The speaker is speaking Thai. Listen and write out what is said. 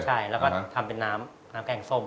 ใช่แล้วก็ทำเป็นน้ำแกงส้ม